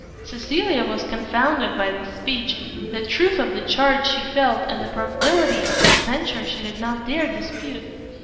Cecilia was confounded by this speech: the truth of the charge she felt, and the probability of the censure she did not dare dispute.